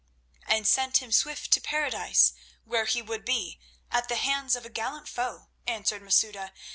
"And sent him swift to Paradise, where he would be, at the hands of a gallant foe," answered Masouda.